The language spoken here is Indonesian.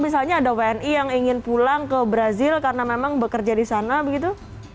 misalnya ada wni yang ingin pulang ke brazil karena memang bekerja di sana begitu